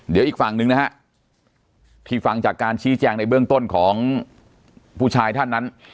เดี๋ยวอีกฝั่งหนึ่งนะฮะที่ฟังจากการชี้แจงในเบื้องต้นของผู้ชายท่านนั้น